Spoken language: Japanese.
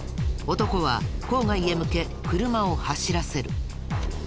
男は郊外へ向け車を走らせる。